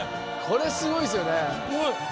これすごいですよね。